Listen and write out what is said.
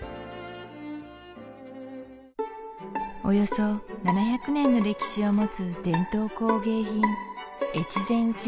およそ７００年の歴史を持つ伝統工芸品